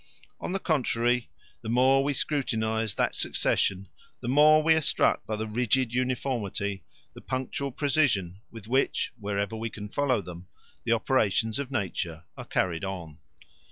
On the contrary, the more we scrutinise that succession the more we are struck by the rigid uniformity, the punctual precision with which, wherever we can follow them, the operations of nature are carried on.